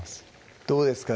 どうですか？